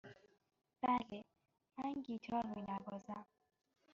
بله، من گیتار می نوازم.